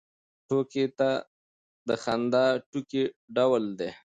ټوکې ته خندا د ټوکې ډول دی.